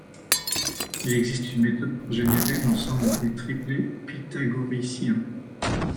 Il existe une méthode pour générer l'ensemble des triplets pythagoriciens.